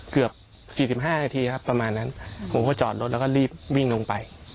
เกือบ๔๕นาทีครับประมาณนั้นผมก็จอดรถแล้วก็รีบวิ่งลงไป